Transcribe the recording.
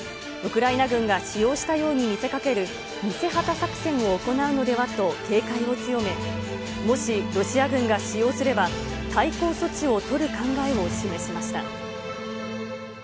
ウクライナ軍が使用したように見せかける、偽旗作戦を行うのではと警戒を強め、もし、ロシア軍が使用すれば、対抗措置を取る考えを示しました。